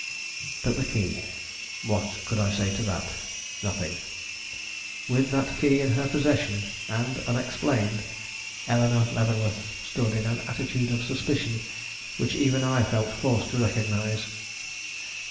But the key! What could I say to that? Nothing. With that key in her possession, and unexplained, Eleanore Leavenworth stood in an attitude of suspicion which even I felt forced to recognize.